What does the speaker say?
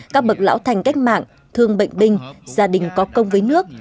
các bậc lão thành cách mạng thương bệnh binh gia đình có công với nước